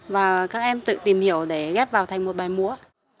và các em tự tìm hiểu để ghép vào thành một bài múa